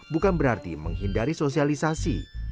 bukan berarti menghindari sosialisasi